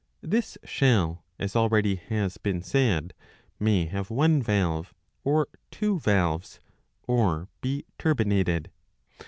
This shell, as already has been said, may have one valve, or two valves, or be turbinated.